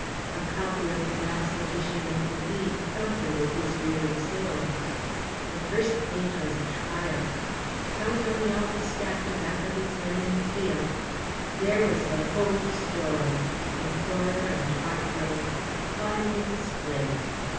A copy of the last edition of the Bee comforted his weary soul. The first page was a triumph. Count on the office to back up its men in the field! There was the whole story, the whole horror and heartbreak, finely displayed.